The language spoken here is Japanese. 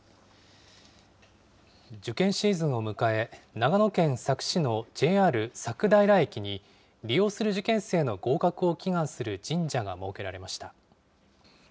受験シーズンを迎え、長野県佐久市のＪＲ佐久平駅に、利用する受験生の合格を祈願する神社が設けられました。